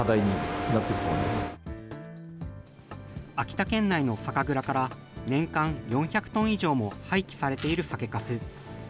秋田県内の酒蔵から年間４００トン以上も廃棄されている酒かす。